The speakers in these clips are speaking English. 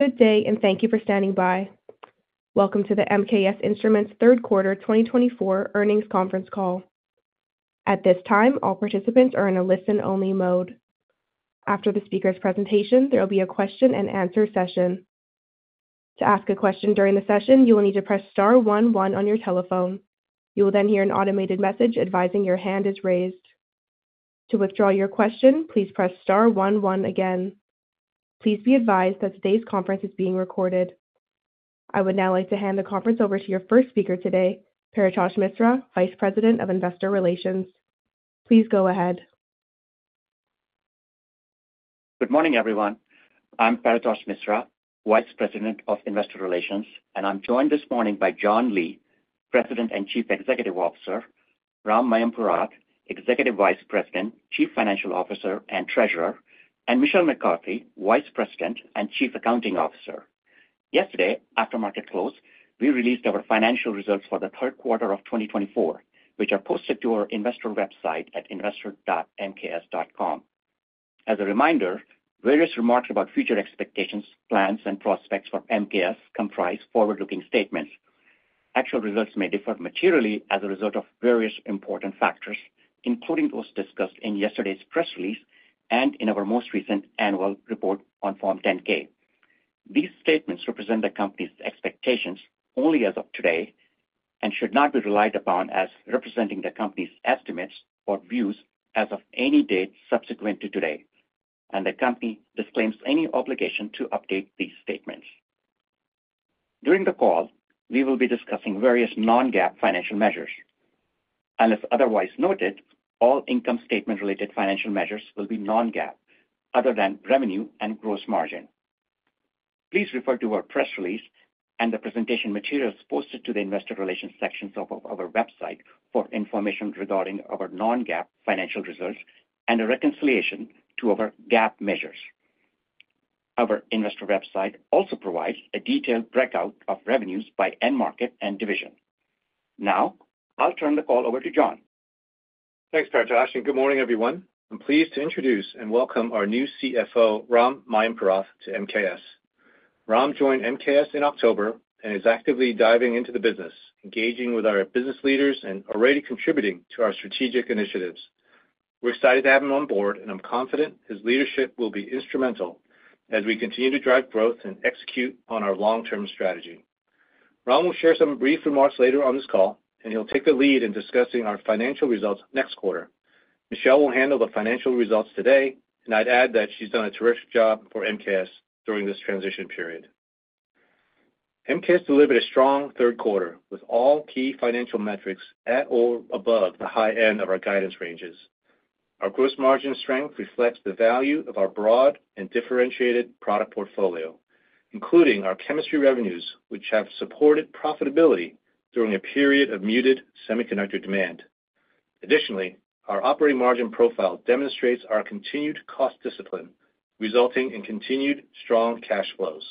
Good day, and thank you for standing by. Welcome to the MKS Instruments Third Quarter 2024 Earnings Conference Call. At this time, all participants are in a listen-only mode. After the speaker's presentation, there will be a question-and-answer session. To ask a question during the session, you will need to press star one one on your telephone. You will then hear an automated message advising your hand is raised. To withdraw your question, please press star one one again. Please be advised that today's conference is being recorded. I would now like to hand the conference over to your first speaker today, Paretosh Misra, Vice President of Investor Relations. Please go ahead. Good morning, everyone. I'm Paretosh Misra, Vice President of Investor Relations, and I'm joined this morning by John Lee, President and Chief Executive Officer, Ram Mayampurath, Executive Vice President, Chief Financial Officer, and Treasurer, and Michelle McCarthy, Vice President and Chief Accounting Officer. Yesterday, after market close, we released our financial results for the third quarter of 2024, which are posted to our investor website at investor.mks.com. As a reminder, various remarks about future expectations, plans, and prospects for MKS comprise forward-looking statements. Actual results may differ materially as a result of various important factors, including those discussed in yesterday's press release and in our most recent annual report on Form 10-K. These statements represent the company's expectations only as of today and should not be relied upon as representing the company's estimates or views as of any date subsequent to today, and the company disclaims any obligation to update these statements. During the call, we will be discussing various non-GAAP financial measures. Unless otherwise noted, all income statement-related financial measures will be non-GAAP other than revenue and gross margin. Please refer to our press release and the presentation materials posted to the Investor Relations sections of our website for information regarding our non-GAAP financial results and a reconciliation to our GAAP measures. Our investor website also provides a detailed breakout of revenues by end market and division. Now, I'll turn the call over to John. Thanks, Paretosh, and good morning, everyone. I'm pleased to introduce and welcome our new CFO, Ram Mayampurath, to MKS. Ram joined MKS in October and is actively diving into the business, engaging with our business leaders and already contributing to our strategic initiatives. We're excited to have him on board, and I'm confident his leadership will be instrumental as we continue to drive growth and execute on our long-term strategy. Ram will share some brief remarks later on this call, and he'll take the lead in discussing our financial results next quarter. Michelle will handle the financial results today, and I'd add that she's done a terrific job for MKS during this transition period. MKS delivered a strong third quarter with all key financial metrics at or above the high end of our guidance ranges. Our gross margin strength reflects the value of our broad and differentiated product portfolio, including our chemistry revenues, which have supported profitability during a period of muted semiconductor demand. Additionally, our operating margin profile demonstrates our continued cost discipline, resulting in continued strong cash flows.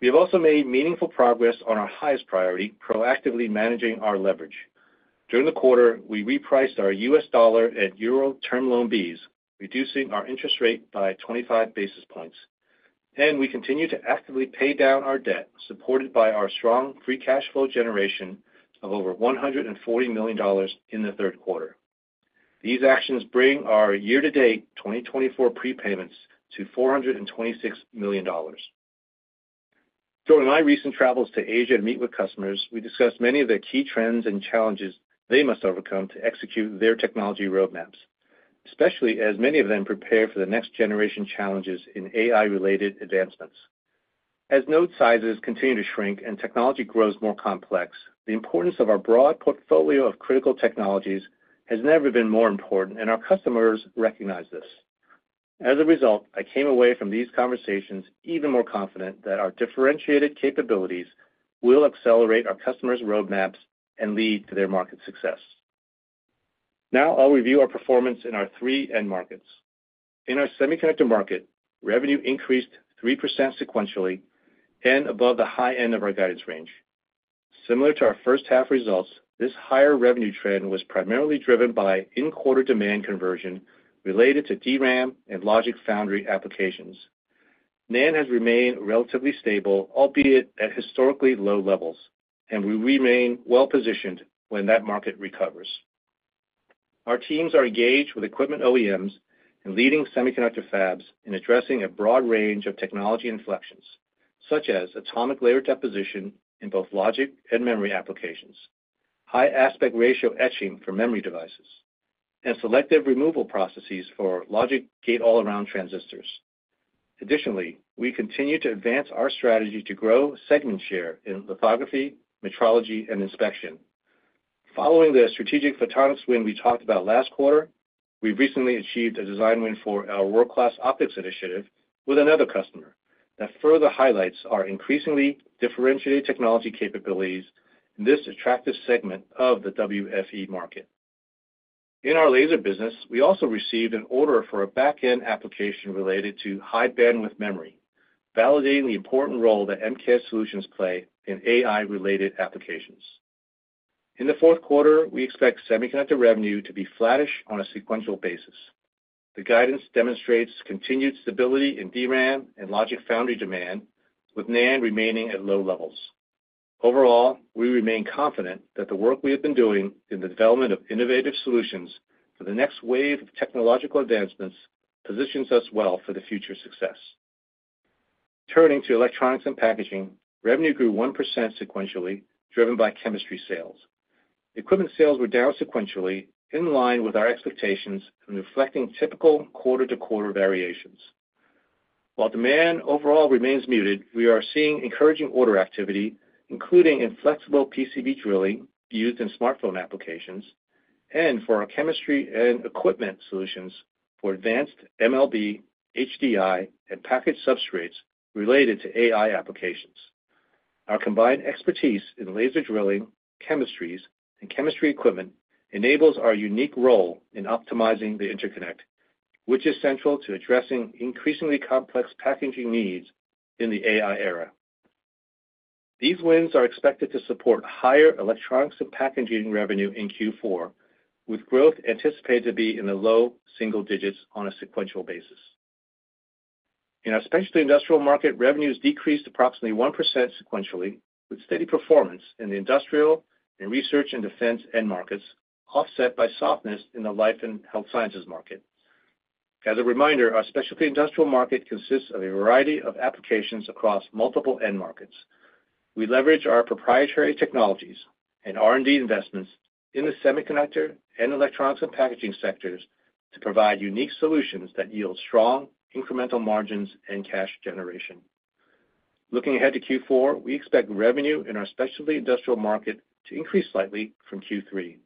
We have also made meaningful progress on our highest priority, proactively managing our leverage. During the quarter, we repriced our U.S. dollar and euro Term Loan Bs, reducing our interest rate by 25 basis points, and we continue to actively pay down our debt, supported by our strong free cash flow generation of over $140 million in the third quarter. These actions bring our year-to-date 2024 prepayments to $426 million. During my recent travels to Asia to meet with customers, we discussed many of the key trends and challenges they must overcome to execute their technology roadmaps, especially as many of them prepare for the next generation challenges in AI-related advancements. As node sizes continue to shrink and technology grows more complex, the importance of our broad portfolio of critical technologies has never been more important, and our customers recognize this. As a result, I came away from these conversations even more confident that our differentiated capabilities will accelerate our customers' roadmaps and lead to their market success. Now, I'll review our performance in our three end markets. In our semiconductor market, revenue increased 3% sequentially and above the high end of our guidance range. Similar to our first half results, this higher revenue trend was primarily driven by in-quarter demand conversion related to DRAM and logic foundry applications. NAND has remained relatively stable, albeit at historically low levels, and we remain well-positioned when that market recovers. Our teams are engaged with equipment OEMs and leading semiconductor fabs in addressing a broad range of technology inflections, such as atomic layer deposition in both logic and memory applications, high aspect ratio etching for memory devices, and selective removal processes for logic Gate-All-Around transistors. Additionally, we continue to advance our strategy to grow segment share in lithography, metrology, and inspection. Following the strategic photonics win we talked about last quarter, we recently achieved a design win for our World Class Optics initiative with another customer that further highlights our increasingly differentiated technology capabilities in this attractive segment of the WFE market. In our laser business, we also received an order for a back-end application related to High Bandwidth Memory, validating the important role that MKS solutions play in AI-related applications. In the fourth quarter, we expect semiconductor revenue to be flattish on a sequential basis. The guidance demonstrates continued stability in DRAM and logic foundry demand, with NAND remaining at low levels. Overall, we remain confident that the work we have been doing in the development of innovative solutions for the next wave of technological advancements positions us well for the future success. Turning to electronics and packaging, revenue grew 1% sequentially, driven by chemistry sales. Equipment sales were down sequentially, in line with our expectations and reflecting typical quarter-to-quarter variations. While demand overall remains muted, we are seeing encouraging order activity, including flexible PCB drilling used in smartphone applications and for our chemistry and equipment solutions for advanced MLB, HDI, and package substrates related to AI applications. Our combined expertise in laser drilling, chemistries, and chemistry equipment enables our unique role in optimizing the interconnect, which is central to addressing increasingly complex packaging needs in the AI era. These wins are expected to support higher electronics and packaging revenue in Q4, with growth anticipated to be in the low single digits on a sequential basis. In our specialty industrial market, revenues decreased approximately 1% sequentially, with steady performance in the industrial and research and defense end markets, offset by softness in the life and health sciences market. As a reminder, our specialty industrial market consists of a variety of applications across multiple end markets. We leverage our proprietary technologies and R&D investments in the semiconductor and electronics and packaging sectors to provide unique solutions that yield strong incremental margins and cash generation. Looking ahead to Q4, we expect revenue in our specialty industrial market to increase slightly from Q3.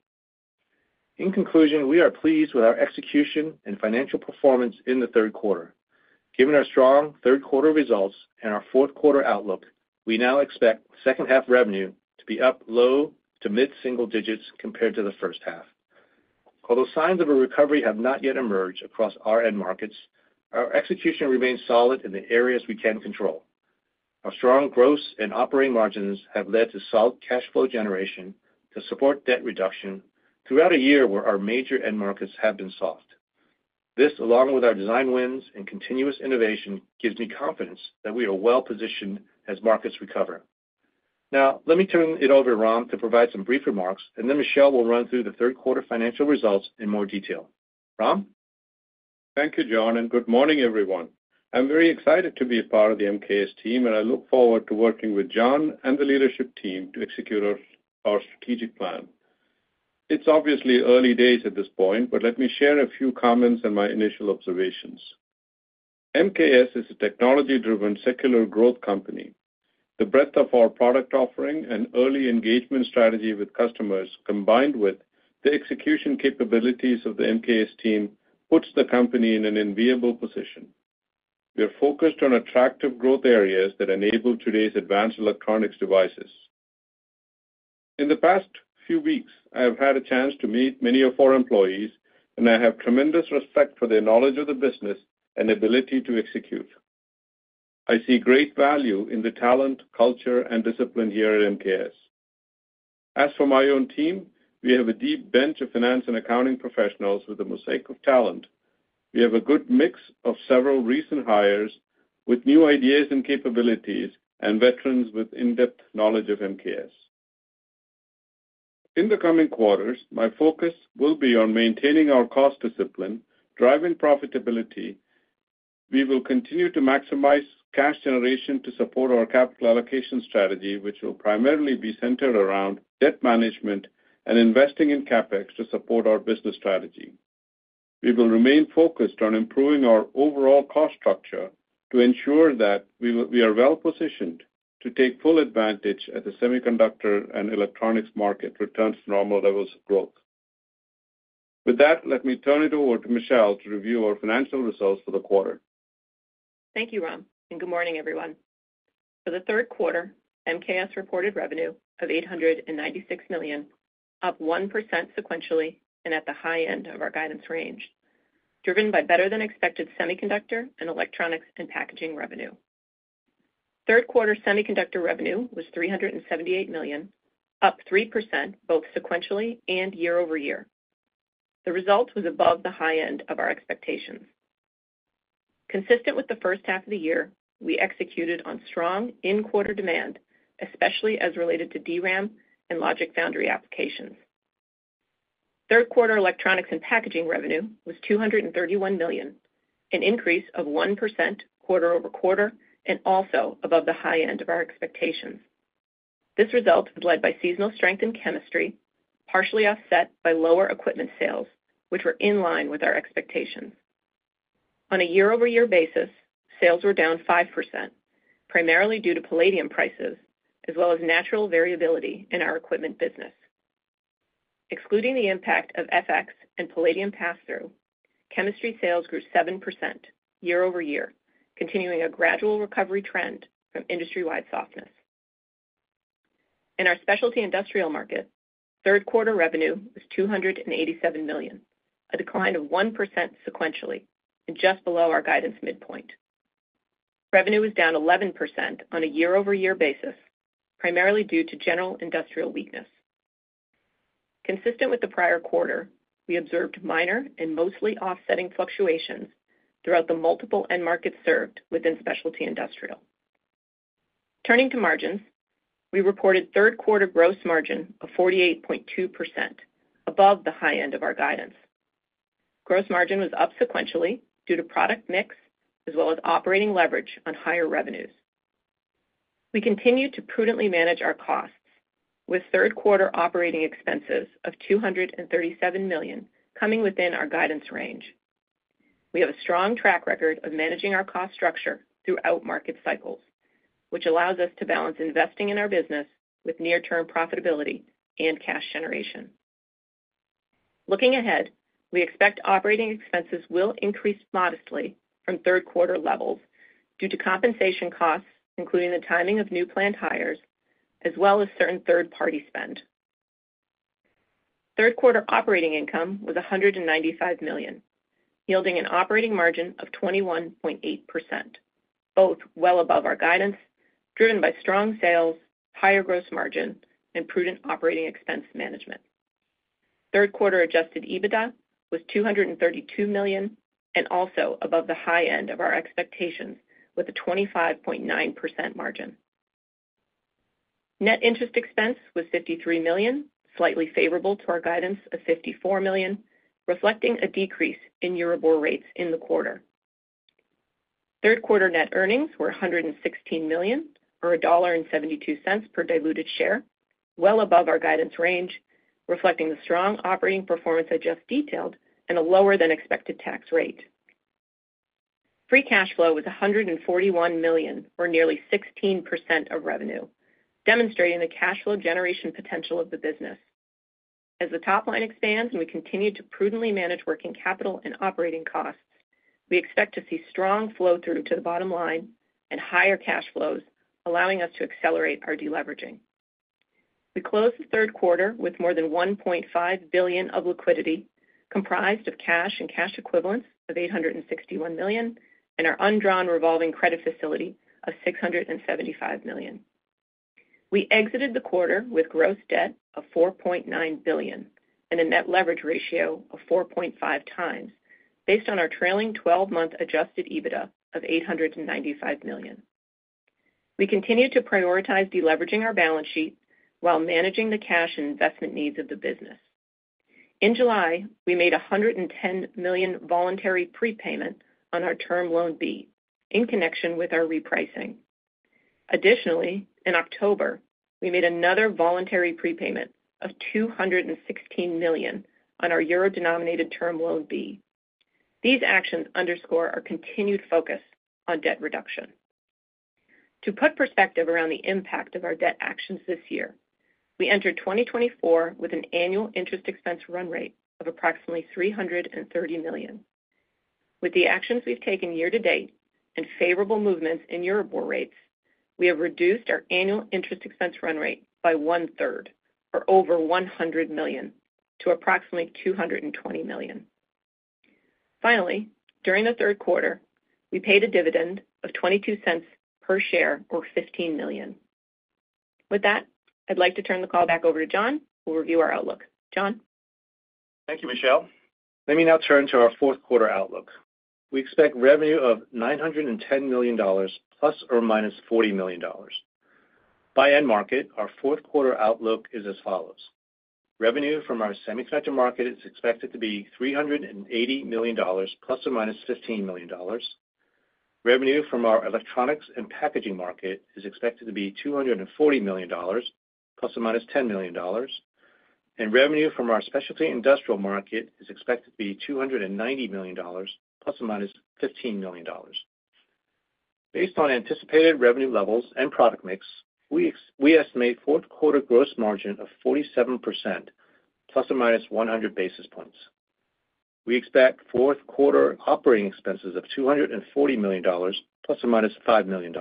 In conclusion, we are pleased with our execution and financial performance in the third quarter. Given our strong third quarter results and our fourth quarter outlook, we now expect second half revenue to be up low to mid single digits compared to the first half. Although signs of a recovery have not yet emerged across our end markets, our execution remains solid in the areas we can control. Our strong gross and operating margins have led to solid cash flow generation to support debt reduction throughout a year where our major end markets have been soft. This, along with our design wins and continuous innovation, gives me confidence that we are well-positioned as markets recover. Now, let me turn it over to Ram to provide some brief remarks, and then Michelle will run through the third quarter financial results in more detail. Ram? Thank you, John, and good morning, everyone. I'm very excited to be a part of the MKS team, and I look forward to working with John and the leadership team to execute our strategic plan. It's obviously early days at this point, but let me share a few comments and my initial observations. MKS is a technology-driven secular growth company. The breadth of our product offering and early engagement strategy with customers, combined with the execution capabilities of the MKS team, puts the company in an enviable position. We are focused on attractive growth areas that enable today's advanced electronics devices. In the past few weeks, I have had a chance to meet many of our employees, and I have tremendous respect for their knowledge of the business and ability to execute. I see great value in the talent, culture, and discipline here at MKS. As for my own team, we have a deep bench of finance and accounting professionals with a mosaic of talent. We have a good mix of several recent hires with new ideas and capabilities and veterans with in-depth knowledge of MKS. In the coming quarters, my focus will be on maintaining our cost discipline and driving profitability. We will continue to maximize cash generation to support our capital allocation strategy, which will primarily be centered around debt management and investing in CapEx to support our business strategy. We will remain focused on improving our overall cost structure to ensure that we are well-positioned to take full advantage as the semiconductor and electronics market returns to normal levels of growth. With that, let me turn it over to Michelle to review our financial results for the quarter. Thank you, Ram, and good morning, everyone. For the third quarter, MKS reported revenue of $896 million, up 1% sequentially and at the high end of our guidance range, driven by better-than-expected semiconductor and electronics and packaging revenue. Third quarter semiconductor revenue was $378 million, up 3% both sequentially and year-over-year. The result was above the high end of our expectations. Consistent with the first half of the year, we executed on strong in-quarter demand, especially as related to DRAM and logic foundry applications. Third quarter electronics and packaging revenue was $231 million, an increase of 1% quarter-over-quarter and also above the high end of our expectations. This result was led by seasonal strength in chemistry, partially offset by lower equipment sales, which were in line with our expectations. On a year-over-year basis, sales were down 5%, primarily due to palladium prices as well as natural variability in our equipment business. Excluding the impact of FX and palladium pass-through, chemistry sales grew 7% year-over-year, continuing a gradual recovery trend from industry-wide softness. In our specialty industrial market, third quarter revenue was $287 million, a decline of 1% sequentially and just below our guidance midpoint. Revenue was down 11% on a year-over-year basis, primarily due to general industrial weakness. Consistent with the prior quarter, we observed minor and mostly offsetting fluctuations throughout the multiple end markets served within specialty industrial. Turning to margins, we reported third quarter gross margin of 48.2%, above the high end of our guidance. Gross margin was up sequentially due to product mix as well as operating leverage on higher revenues. We continue to prudently manage our costs, with third quarter operating expenses of $237 million coming within our guidance range. We have a strong track record of managing our cost structure throughout market cycles, which allows us to balance investing in our business with near-term profitability and cash generation. Looking ahead, we expect operating expenses will increase modestly from third quarter levels due to compensation costs, including the timing of new planned hires, as well as certain third-party spend. Third quarter operating income was $195 million, yielding an operating margin of 21.8%, both well above our guidance, driven by strong sales, higher gross margin, and prudent operating expense management. Third quarter adjusted EBITDA was $232 million and also above the high end of our expectations with a 25.9% margin. Net interest expense was $53 million, slightly favorable to our guidance of $54 million, reflecting a decrease in year-over-year rates in the quarter. Third quarter net earnings were $116 million, or $1.72 per diluted share, well above our guidance range, reflecting the strong operating performance I just detailed and a lower-than-expected tax rate. Free cash flow was $141 million, or nearly 16% of revenue, demonstrating the cash flow generation potential of the business. As the top line expands and we continue to prudently manage working capital and operating costs, we expect to see strong flow-through to the bottom line and higher cash flows, allowing us to accelerate our deleveraging. We closed the third quarter with more than $1.5 billion of liquidity, comprised of cash and cash equivalents of $861 million, and our undrawn revolving credit facility of $675 million. We exited the quarter with gross debt of $4.9 billion and a net leverage ratio of 4.5x, based on our trailing 12-month adjusted EBITDA of $895 million. We continue to prioritize deleveraging our balance sheet while managing the cash and investment needs of the business. In July, we made a $110 million voluntary prepayment on our Term Loan B in connection with our repricing. Additionally, in October, we made another voluntary prepayment of $216 million on our euro-denominated Term Loan B. These actions underscore our continued focus on debt reduction. To put perspective around the impact of our debt actions this year, we entered 2024 with an annual interest expense run rate of approximately $330 million. With the actions we've taken year-to-date and favorable movements in year-over-year rates, we have reduced our annual interest expense run rate by 1/3, or over $100 million, to approximately $220 million. Finally, during the third quarter, we paid a dividend of $0.22 per share, or $15 million. With that, I'd like to turn the call back over to John, who will review our outlook. John? Thank you, Michelle. Let me now turn to our fourth quarter outlook. We expect revenue of $910 million, ±$40 million. By end market, our fourth quarter outlook is as follows. Revenue from our semiconductor market is expected to be $380 million, ±$15 million. Revenue from our electronics and packaging market is expected to be $240 million, ±$10 million. And revenue from our specialty industrial market is expected to be $290 million, ±$15 million. Based on anticipated revenue levels and product mix, we estimate fourth quarter gross margin of 47%, ±100 basis points. We expect fourth quarter operating expenses of $240 million, ±$5 million.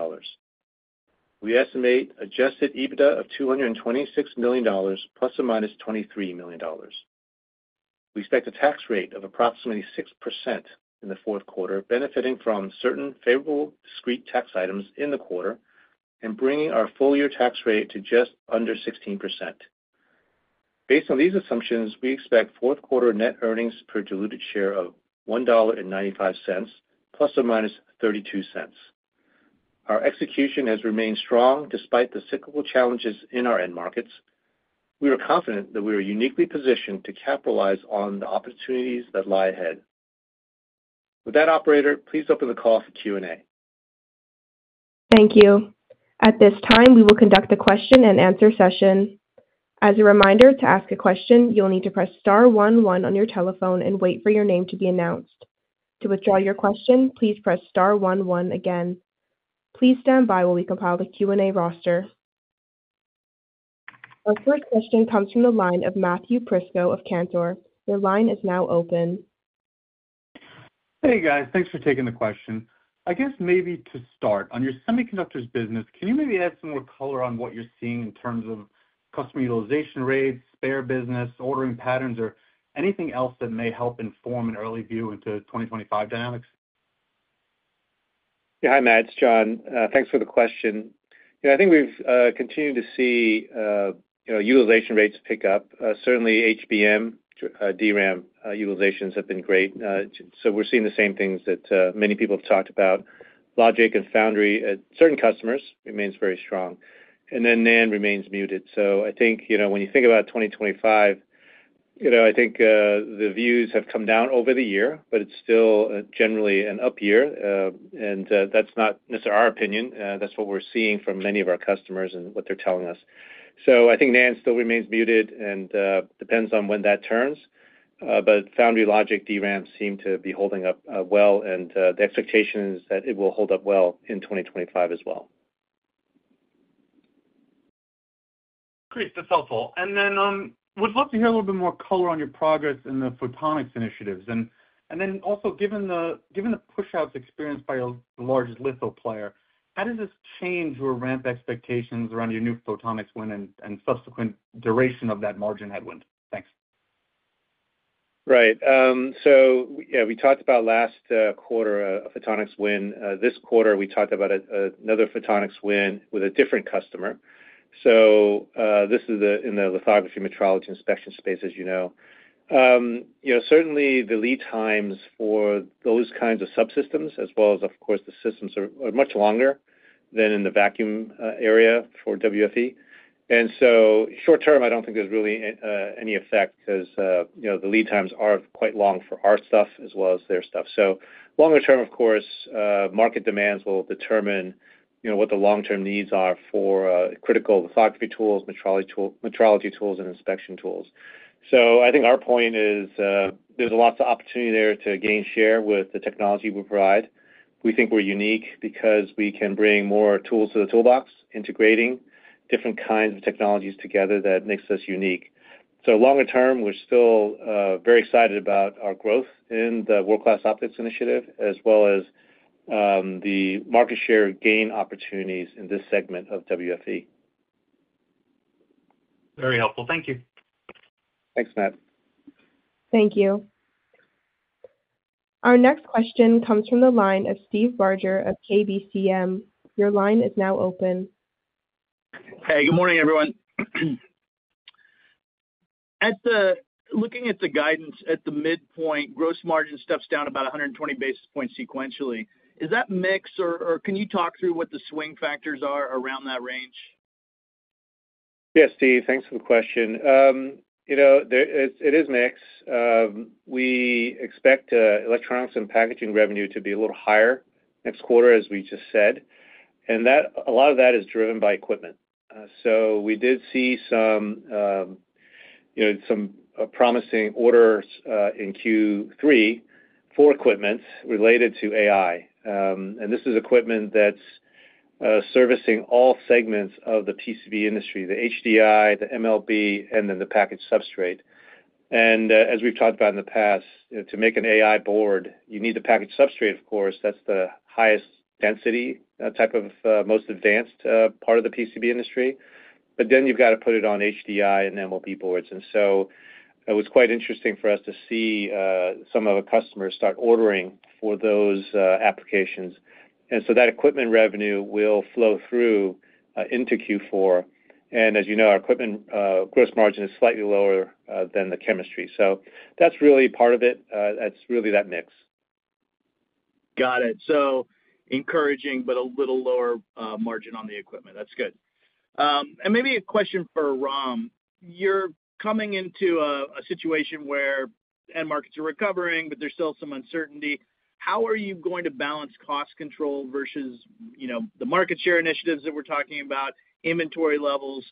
We estimate adjusted EBITDA of $226 million, ±$23 million. We expect a tax rate of approximately 6% in the fourth quarter, benefiting from certain favorable discrete tax items in the quarter and bringing our full-year tax rate to just under 16%. Based on these assumptions, we expect fourth quarter net earnings per diluted share of $1.95, ±$0.32. Our execution has remained strong despite the cyclical challenges in our end markets. We are confident that we are uniquely positioned to capitalize on the opportunities that lie ahead. With that, Operator, please open the call for Q&A. Thank you. At this time, we will conduct a question and answer session. As a reminder, to ask a question, you'll need to press star one one on your telephone and wait for your name to be announced. To withdraw your question, please press star one one again. Please stand by while we compile the Q&A roster. Our first question comes from the line of Matthew Prisco of Cantor. Your line is now open. Hey, guys. Thanks for taking the question. I guess maybe to start, on your semiconductors business, can you maybe add some more color on what you're seeing in terms of customer utilization rates, spare business, ordering patterns, or anything else that may help inform an early view into 2025 dynamics? Yeah, hi, Matt. It's John. Thanks for the question. I think we've continued to see utilization rates pick up. Certainly, HBM, DRAM utilizations have been great. So we're seeing the same things that many people have talked about. Logic and foundry at certain customers remains very strong. And then NAND remains muted. So I think when you think about 2025, I think the views have come down over the year, but it's still generally an up year. And that's not necessarily our opinion. That's what we're seeing from many of our customers and what they're telling us. So I think NAND still remains muted and depends on when that turns. But foundry, logic, DRAM seem to be holding up well, and the expectation is that it will hold up well in 2025 as well. Great. That's helpful. And then would love to hear a little bit more color on your progress in the photonics initiatives. And then also, given the push-outs experienced by the largest litho player, how does this change your ramp expectations around your new photonics win and subsequent duration of that margin headwind? Thanks. Right. So yeah, we talked about last quarter a photonics win. This quarter, we talked about another photonics win with a different customer. So this is in the lithography metrology inspection space, as you know. Certainly, the lead times for those kinds of subsystems, as well as, of course, the systems, are much longer than in the vacuum area for WFE. And so short term, I don't think there's really any effect because the lead times are quite long for our stuff as well as their stuff. So longer term, of course, market demands will determine what the long-term needs are for critical lithography tools, metrology tools, and inspection tools. So I think our point is there's lots of opportunity there to gain share with the technology we provide. We think we're unique because we can bring more tools to the toolbox, integrating different kinds of technologies together that makes us unique. So longer term, we're still very excited about our growth in the world-class optics initiative, as well as the market share gain opportunities in this segment of WFE. Very helpful. Thank you. Thanks, Matt. Thank you. Our next question comes from the line of Steve Barger of KBCM. Your line is now open. Hey, good morning, everyone. Looking at the guidance at the midpoint, gross margin steps down about 120 basis points sequentially. Is that mixed, or can you talk through what the swing factors are around that range? Yes, Steve. Thanks for the question. It is mixed. We expect electronics and packaging revenue to be a little higher next quarter, as we just said. And a lot of that is driven by equipment. So we did see some promising orders in Q3 for equipment related to AI. And this is equipment that's servicing all segments of the PCB industry: the HDI, the MLB, and then the package substrate. And as we've talked about in the past, to make an AI board, you need the package substrate, of course. That's the highest density type of most advanced part of the PCB industry. But then you've got to put it on HDI and MLB boards. And so it was quite interesting for us to see some of our customers start ordering for those applications. And so that equipment revenue will flow through into Q4. And as you know, our equipment gross margin is slightly lower than the chemistry. So that's really part of it. That's really that mix. Got it. So encouraging, but a little lower margin on the equipment. That's good. And maybe a question for Ram. You're coming into a situation where end markets are recovering, but there's still some uncertainty. How are you going to balance cost control versus the market share initiatives that we're talking about, inventory levels,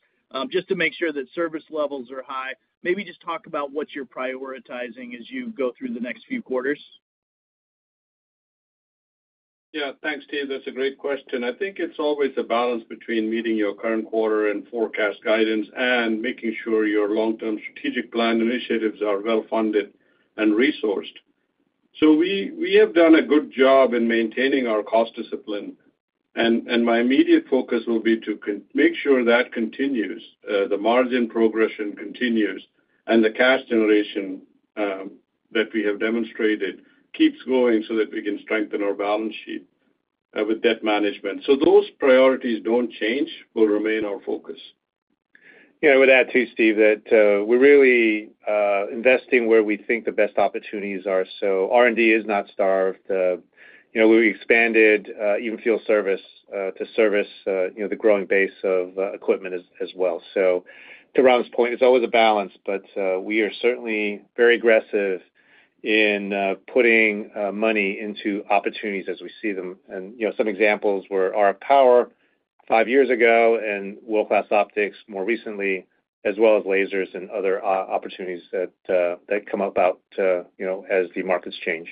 just to make sure that service levels are high? Maybe just talk about what you're prioritizing as you go through the next few quarters. Yeah. Thanks, Steve. That's a great question. I think it's always a balance between meeting your current quarter and forecast guidance and making sure your long-term strategic plan initiatives are well-funded and resourced. So we have done a good job in maintaining our cost discipline. And my immediate focus will be to make sure that continues, the margin progression continues, and the cash generation that we have demonstrated keeps going so that we can strengthen our balance sheet with debt management. So those priorities don't change. They'll remain our focus. Yeah. I would add too, Steve, that we're really investing where we think the best opportunities are. So R&D is not starved. We expanded even field service to service the growing base of equipment as well. So to Ram's point, it's always a balance, but we are certainly very aggressive in putting money into opportunities as we see them. And some examples were RF Power five years ago and world-class optics more recently, as well as lasers and other opportunities that come about as the markets change.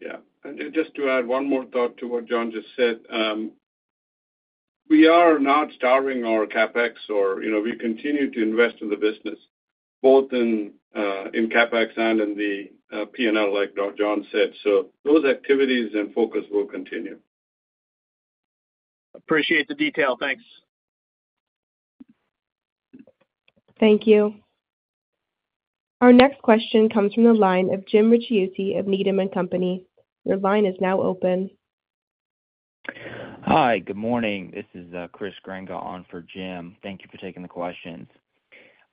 Yeah, and just to add one more thought to what John just said, we are not starving our CapEx, or we continue to invest in the business, both in CapEx and in the P&L, like John said, so those activities and focus will continue. Appreciate the detail. Thanks. Thank you. Our next question comes from the line of Jim Ricchiuti of Needham & Company. Your line is now open. Hi. Good morning. This is Chris Grenga on for Jim. Thank you for taking the questions.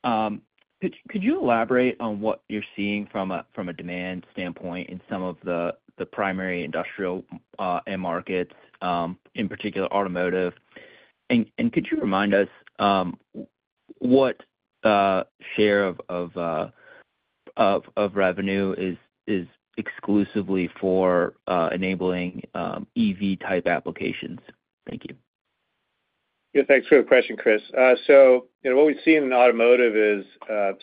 Could you elaborate on what you're seeing from a demand standpoint in some of the primary industrial markets, in particular automotive? And could you remind us what share of revenue is exclusively for enabling EV-type applications? Thank you. Yeah. Thanks for the question, Chris. So what we see in automotive is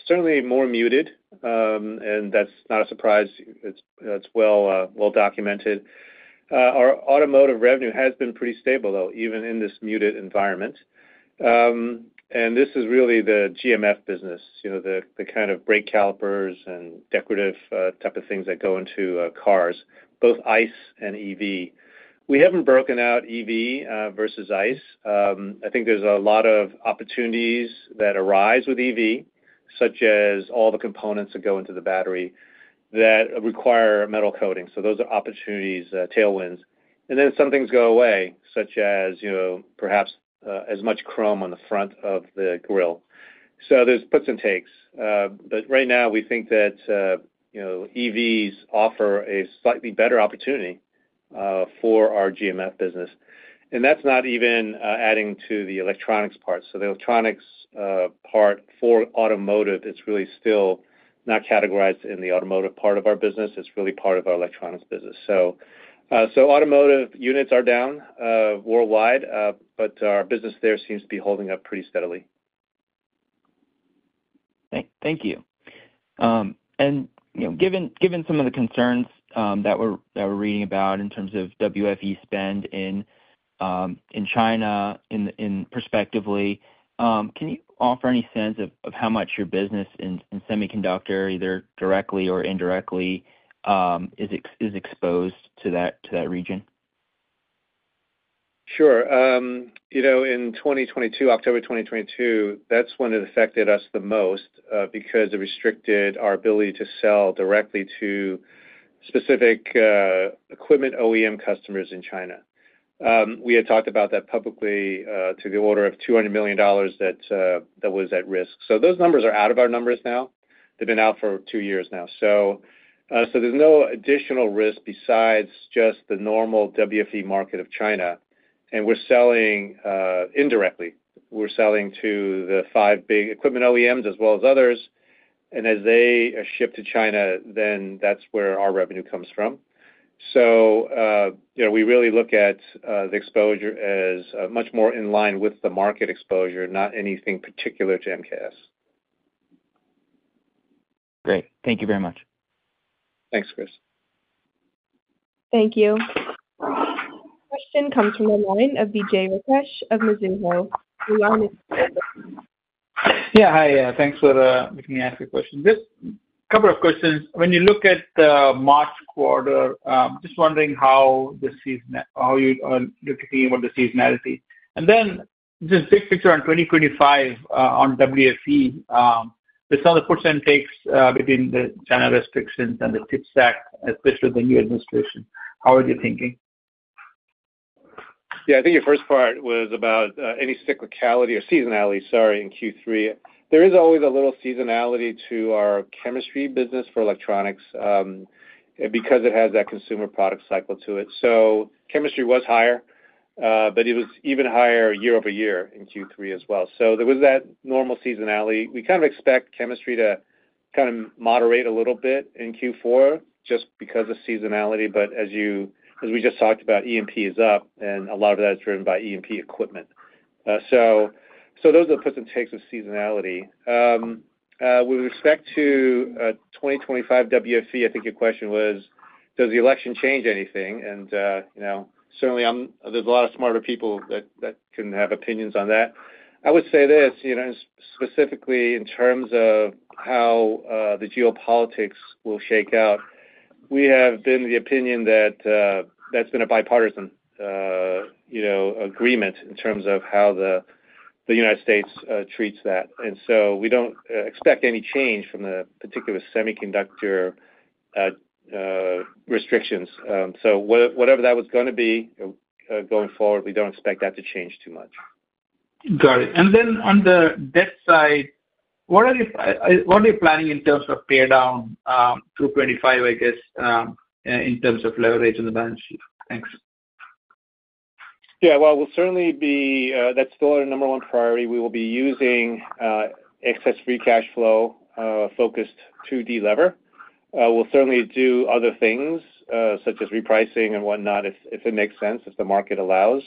certainly more muted, and that's not a surprise. It's well-documented. Our automotive revenue has been pretty stable, though, even in this muted environment. And this is really the GMF business, the kind of brake calipers and decorative type of things that go into cars, both ICE and EV. We haven't broken out EV versus ICE. I think there's a lot of opportunities that arise with EV, such as all the components that go into the battery that require metal coating. So those are opportunities, tailwinds. And then some things go away, such as perhaps as much chrome on the front of the grille. So there's puts and takes. But right now, we think that EVs offer a slightly better opportunity for our GMF business. And that's not even adding to the electronics part. The electronics part for automotive, it's really still not categorized in the automotive part of our business. It's really part of our electronics business. Automotive units are down worldwide, but our business there seems to be holding up pretty steadily. Thank you. And given some of the concerns that we're reading about in terms of WFE spend in China prospectively, can you offer any sense of how much your business in semiconductor, either directly or indirectly, is exposed to that region? Sure. In 2022, October 2022, that's when it affected us the most because it restricted our ability to sell directly to specific equipment OEM customers in China. We had talked about that publicly to the order of $200 million that was at risk. So those numbers are out of our numbers now. They've been out for two years now. So there's no additional risk besides just the normal WFE market of China. And we're selling indirectly. We're selling to the five big equipment OEMs as well as others. And as they ship to China, then that's where our revenue comes from. So we really look at the exposure as much more in line with the market exposure, not anything particular to MKS. Great. Thank you very much. Thanks, Chris. Thank you. A question comes from the line of Vijay Rakesh of Mizuho. We are next to the mic. Yeah. Hi, yeah. Thanks for letting me ask a question. Just a couple of questions. When you look at the March quarter, just wondering how you are looking at the seasonality? And then this big picture on 2025 on WFE, there's some of the puts and takes between the China restrictions and the CHIPS Act, especially the new administration. How are they thinking? Yeah. I think your first part was about any cyclicality or seasonality, sorry, in Q3. There is always a little seasonality to our chemistry business for electronics because it has that consumer product cycle to it. So chemistry was higher, but it was even higher year-over-year in Q3 as well. So there was that normal seasonality. We kind of expect chemistry to kind of moderate a little bit in Q4 just because of seasonality. But as we just talked about, EMP is up, and a lot of that is driven by EMP equipment. So those are the puts and takes of seasonality. With respect to 2025 WFE, I think your question was, does the election change anything, and certainly there's a lot of smarter people that can have opinions on that. I would say this, specifically in terms of how the geopolitics will shake out, we have been of the opinion that that's been a bipartisan agreement in terms of how the United States treats that. And so we don't expect any change from the particular semiconductor restrictions. So whatever that was going to be going forward, we don't expect that to change too much. Got it. And then on the debt side, what are you planning in terms of pay down through 2025, I guess, in terms of leverage on the balance sheet? Thanks. Yeah. Well, we'll certainly be. That's still our number one priority. We will be using excess free cash flow focused to delever. We'll certainly do other things such as repricing and whatnot, if it makes sense, if the market allows.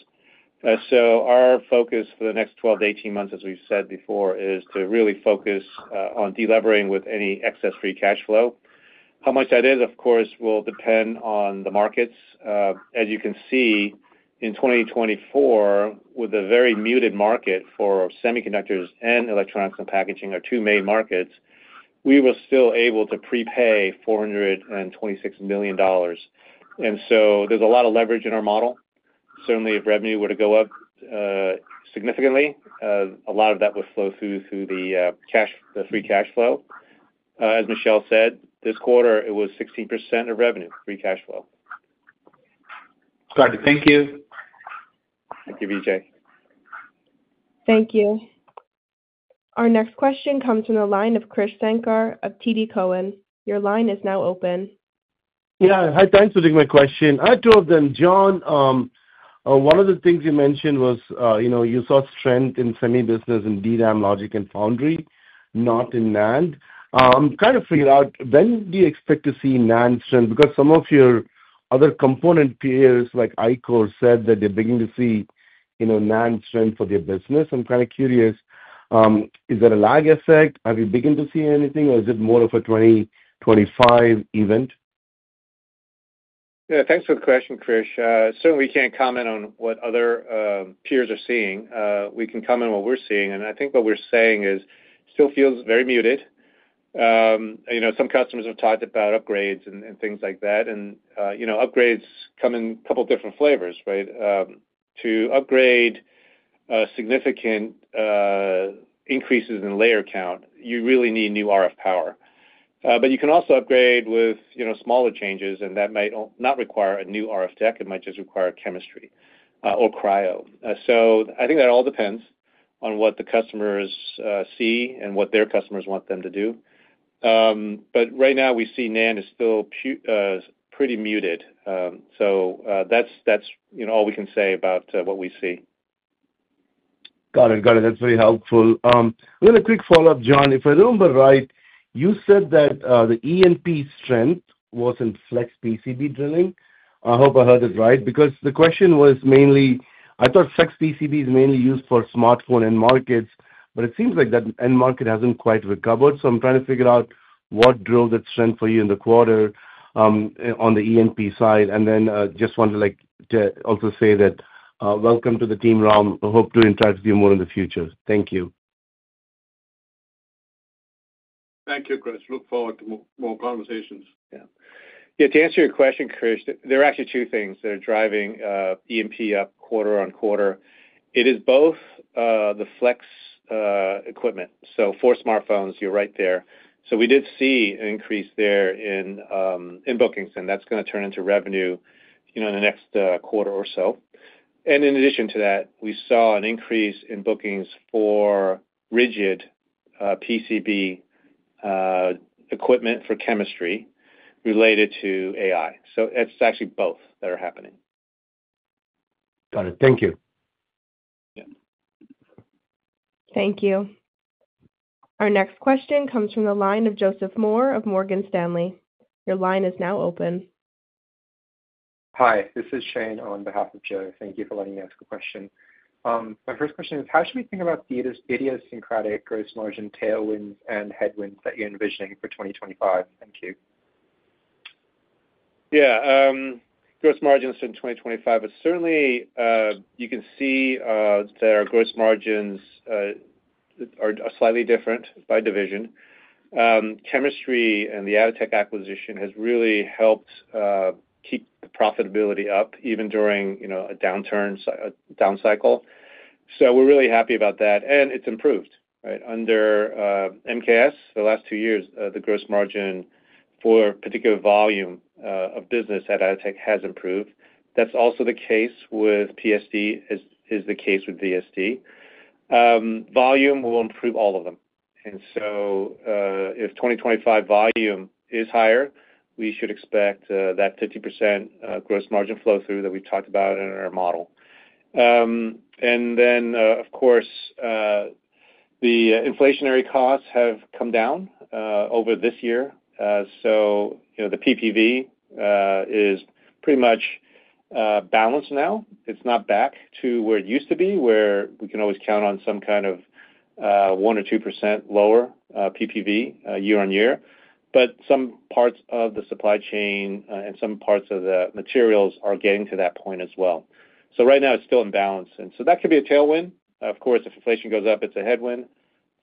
Our focus for the next 12-18 months, as we've said before, is to really focus on delevering with any excess free cash flow. How much that is, of course, will depend on the markets. As you can see, in 2024, with a very muted market for semiconductors and electronics and packaging, our two main markets, we were still able to prepay $426 million. And so there's a lot of leverage in our model. Certainly, if revenue were to go up significantly, a lot of that would flow through the free cash flow. As Michelle said, this quarter, it was 16% of revenue, free cash flow. Got it. Thank you. Thank you, Vijay. Thank you. Our next question comes from the line of Krish Sankar of TD Cowen. Your line is now open. Yeah. Hi, thanks for taking my question. I had two of them. John, one of the things you mentioned was you saw strength in semi-business in DRAM, logic, and foundry, not in NAND. I'm trying to figure out when do you expect to see NAND strength? Because some of your other component peers, like Ichor, said that they're beginning to see NAND strength for their business. I'm kind of curious, is that a lag effect? Have you begun to see anything, or is it more of a 2025 event? Yeah. Thanks for the question, Krish. Certainly, we can't comment on what other peers are seeing. We can comment on what we're seeing. And I think what we're saying is still feels very muted. Some customers have talked about upgrades and things like that. And upgrades come in a couple of different flavors, right? To upgrade significant increases in layer count, you really need new RF power. But you can also upgrade with smaller changes, and that might not require a new RF deck. It might just require chemistry or cryo. So I think that all depends on what the customers see and what their customers want them to do. But right now, we see NAND is still pretty muted. So that's all we can say about what we see. Got it. Got it. That's very helpful. We have a quick follow-up, John. If I remember right, you said that the EMP strength was in flex PCB drilling. I hope I heard it right. Because the question was mainly I thought flex PCB is mainly used for smartphone end markets, but it seems like that end market hasn't quite recovered. So I'm trying to figure out what drove that strength for you in the quarter on the EMP side. And then just wanted to also say that welcome to the team, Ram. Hope to interact with you more in the future. Thank you. Thank you, Krish. Look forward to more conversations. Yeah. Yeah. To answer your question, Krish, there are actually two things that are driving EMP up quarter on quarter. It is both the flex equipment. So for smartphones, you're right there. So we did see an increase there in bookings, and that's going to turn into revenue in the next quarter or so. And in addition to that, we saw an increase in bookings for rigid PCB equipment for chemistry related to AI. So it's actually both that are happening. Got it. Thank you. Yeah. Thank you. Our next question comes from the line of Joseph Moore of Morgan Stanley. Your line is now open. Hi. This is Shane on behalf of Joe. Thank you for letting me ask a question. My first question is, how should we think about idiosyncratic gross margin tailwinds and headwinds that you're envisioning for 2025? Thank you. Yeah. Gross margins in 2025 are certainly. You can see that our gross margins are slightly different by division. Chemistry and the Atotech acquisition has really helped keep the profitability up even during a downturn, down cycle. So we're really happy about that. And it's improved, right? Under MKS, the last two years, the gross margin for particular volume of business at Atotech has improved. That's also the case with PSD, is the case with VSD. Volume will improve all of them. And so if 2025 volume is higher, we should expect that 50% gross margin flow-through that we've talked about in our model. And then, of course, the inflationary costs have come down over this year. So the PPV is pretty much balanced now. It's not back to where it used to be, where we can always count on some kind of 1% or 2% lower PPV year on year. But some parts of the supply chain and some parts of the materials are getting to that point as well. So right now, it's still imbalanced. And so that could be a tailwind. Of course, if inflation goes up, it's a headwind.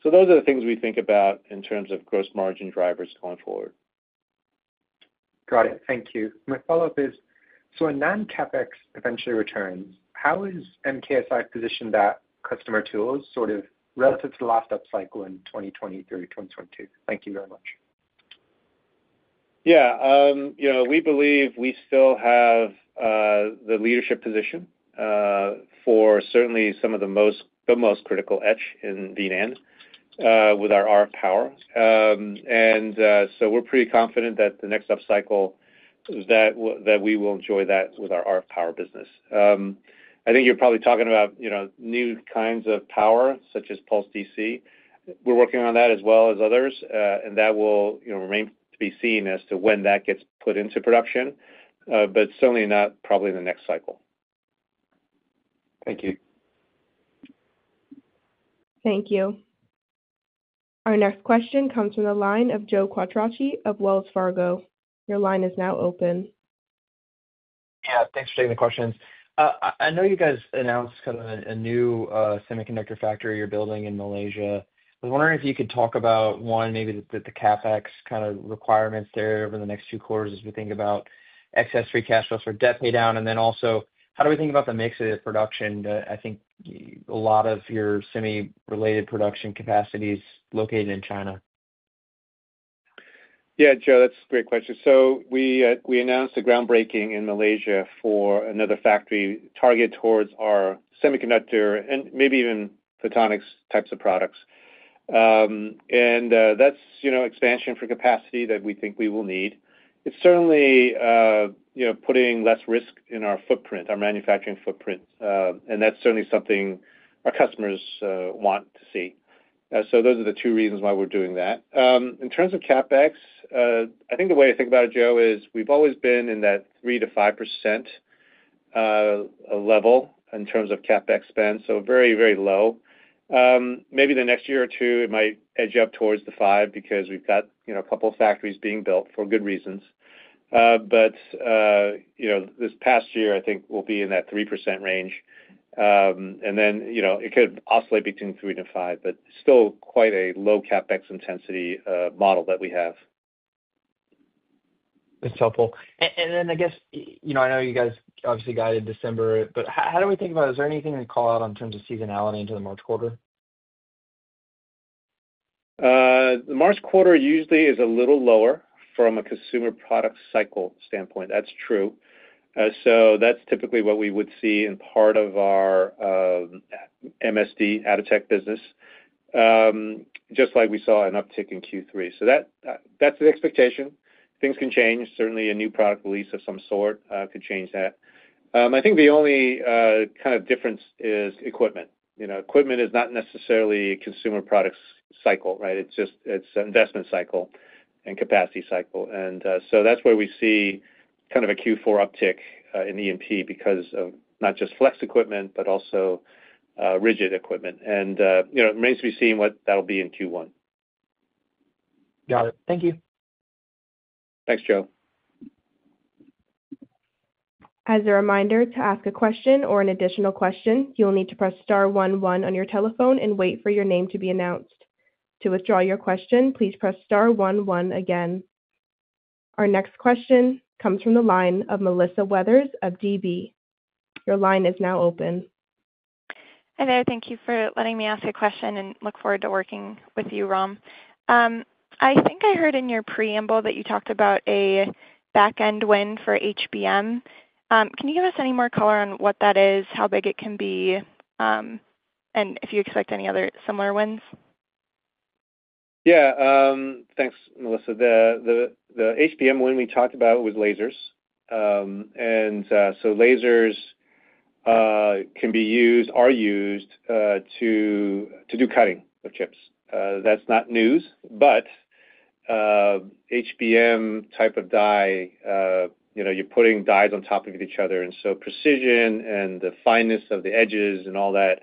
So those are the things we think about in terms of gross margin drivers going forward. Got it. Thank you. My follow-up is, so when NAND CapEx eventually returns, how is MKS positioned at customer tools sort of relative to the last up cycle in 2023, 2022? Thank you very much. Yeah. We believe we still have the leadership position for certainly some of the most critical etch in V-NAND with our RF power. And so we're pretty confident that the next up cycle, that we will enjoy that with our RF power business. I think you're probably talking about new kinds of power, such as pulsed DC. We're working on that as well as others, and that will remain to be seen as to when that gets put into production, but certainly not probably in the next cycle. Thank you. Thank you. Our next question comes from the line of Joe Quattrocchi of Wells Fargo. Your line is now open. Yeah. Thanks for taking the questions. I know you guys announced kind of a new semiconductor factory you're building in Malaysia. I was wondering if you could talk about, one, maybe the CapEx kind of requirements there over the next two quarters as we think about excess free cash flows for debt pay down. And then also, how do we think about the mix of production? I think a lot of your semi-related production capacity is located in China. Yeah, Joe, that's a great question. So we announced a groundbreaking in Malaysia for another factory targeted towards our semiconductor and maybe even photonics types of products. And that's expansion for capacity that we think we will need. It's certainly putting less risk in our footprint, our manufacturing footprint. And that's certainly something our customers want to see. So those are the two reasons why we're doing that. In terms of CapEx, I think the way I think about it, Joe, is we've always been in that 3%-5% level in terms of CapEx spend, so very, very low. Maybe the next year or two, it might edge up towards the 5% because we've got a couple of factories being built for good reasons. But this past year, I think we'll be in that 3% range. It could oscillate between three and five, but still quite a low CapEx intensity model that we have. That's helpful. And then I guess I know you guys obviously got it in December, but how do we think about is there anything to call out in terms of seasonality into the March quarter? The March quarter usually is a little lower from a consumer product cycle standpoint. That's true. So that's typically what we would see in part of our MSD Atotech business, just like we saw an uptick in Q3. So that's the expectation. Things can change. Certainly, a new product release of some sort could change that. I think the only kind of difference is equipment. Equipment is not necessarily a consumer product cycle, right? It's an investment cycle and capacity cycle. And so that's where we see kind of a Q4 uptick in EMP because of not just flex equipment, but also rigid equipment. And it remains to be seen what that'll be in Q1. Got it. Thank you. Thanks, Joe. As a reminder, to ask a question or an additional question, you'll need to press star one one on your telephone and wait for your name to be announced. To withdraw your question, please press star one one again. Our next question comes from the line of Melissa Weathers of DB. Your line is now open. Hi there. Thank you for letting me ask a question and look forward to working with you, Ram. I think I heard in your preamble that you talked about a back-end win for HBM. Can you give us any more color on what that is, how big it can be, and if you expect any other similar wins? Yeah. Thanks, Melissa. The HBM win we talked about was lasers. And so lasers can be used, are used to do cutting of chips. That's not news, but HBM type of die, you're putting dies on top of each other. And so precision and the fineness of the edges and all that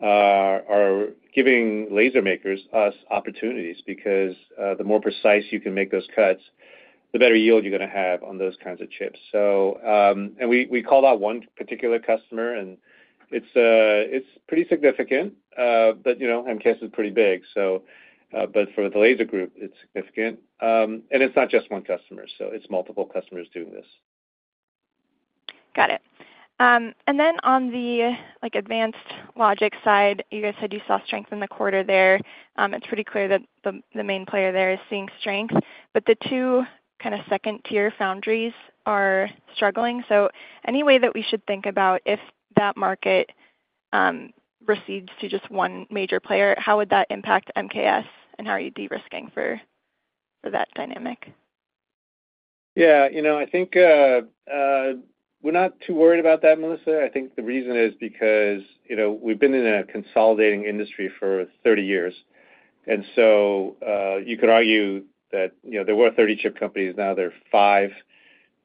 are giving laser makers opportunities because the more precise you can make those cuts, the better yield you're going to have on those kinds of chips. And we call out one particular customer, and it's pretty significant, but MKS is pretty big. But for the laser group, it's significant. And it's not just one customer. So it's multiple customers doing this. Got it. And then on the advanced logic side, you guys said you saw strength in the quarter there. It's pretty clear that the main player there is seeing strength. But the two kind of second-tier foundries are struggling. So any way that we should think about if that market recedes to just one major player, how would that impact MKS, and how are you de-risking for that dynamic? Yeah. I think we're not too worried about that, Melissa. I think the reason is because we've been in a consolidating industry for 30 years. And so you could argue that there were 30 chip companies. Now there are five.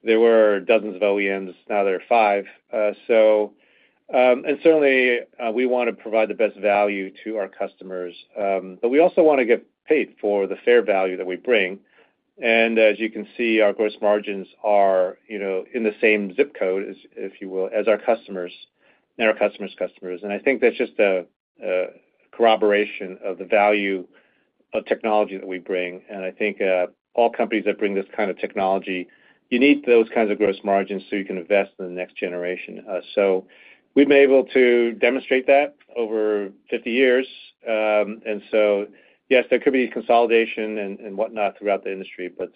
There were dozens of OEMs. Now there are five. And certainly, we want to provide the best value to our customers. But we also want to get paid for the fair value that we bring. And as you can see, our gross margins are in the same zip code, if you will, as our customers and our customers' customers. And I think that's just a corroboration of the value of technology that we bring. And I think all companies that bring this kind of technology, you need those kinds of gross margins so you can invest in the next generation. So we've been able to demonstrate that over 50 years. Yes, there could be consolidation and whatnot throughout the industry, but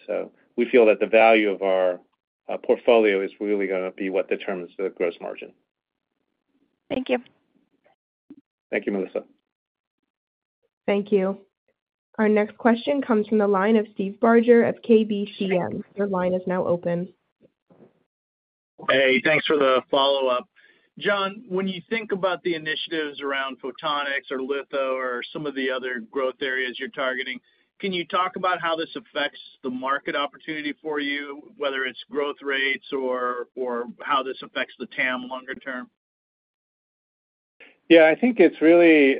we feel that the value of our portfolio is really going to be what determines the gross margin. Thank you. Thank you, Melissa. Thank you. Our next question comes from the line of Steve Barger of KBCM. Your line is now open. Hey, thanks for the follow-up. John, when you think about the initiatives around photonics or litho or some of the other growth areas you're targeting, can you talk about how this affects the market opportunity for you, whether it's growth rates or how this affects the TAM longer term? Yeah. I think it's really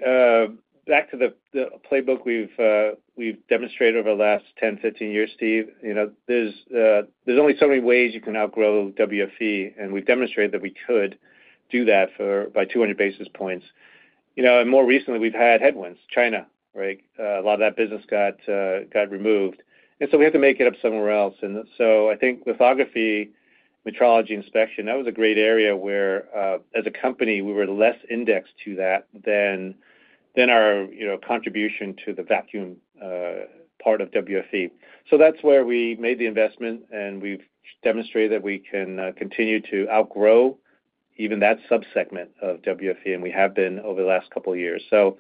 back to the playbook we've demonstrated over the last 10, 15 years, Steve. There's only so many ways you can outgrow WFE, and we've demonstrated that we could do that by 200 basis points. And more recently, we've had headwinds. China, right? A lot of that business got removed. And so we have to make it up somewhere else. And so I think lithography, metrology, inspection, that was a great area where, as a company, we were less indexed to that than our contribution to the vacuum part of WFE. So that's where we made the investment, and we've demonstrated that we can continue to outgrow even that subsegment of WFE, and we have been over the last couple of years. So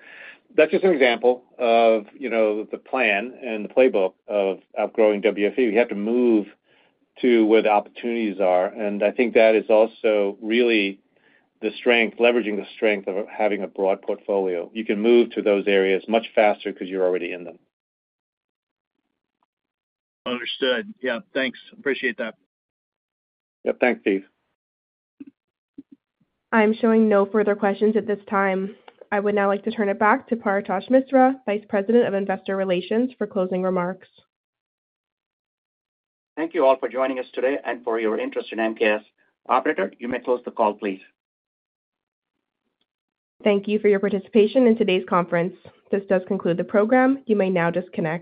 that's just an example of the plan and the playbook of outgrowing WFE. We have to move to where the opportunities are. I think that is also really the strength, leveraging the strength of having a broad portfolio. You can move to those areas much faster because you're already in them. Understood. Yeah. Thanks. Appreciate that. Yep. Thanks, Steve. I'm showing no further questions at this time. I would now like to turn it back to Paretosh Misra, Vice President of Investor Relations, for closing remarks. Thank you all for joining us today and for your interest in MKS. Operator, you may close the call, please. Thank you for your participation in today's conference. This does conclude the program. You may now disconnect.